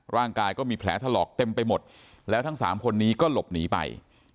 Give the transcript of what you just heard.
ร่างกายก็มีแผลถลอกเต็มไปหมดแล้วทั้งสามคนนี้ก็หลบหนีไป